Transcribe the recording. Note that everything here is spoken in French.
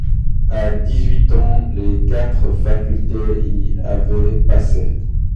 À dix-huit ans, les quatre facultés y avaient passé.